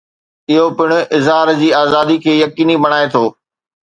اهو پڻ اظهار جي آزادي کي يقيني بڻائي ٿو.